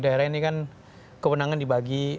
daerah ini kan kewenangan dibagi